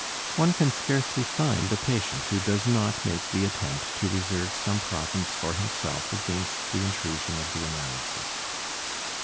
One can scarcely find a patient who does not make the attempt to reserve some province for himself against the intrusion of the analysis.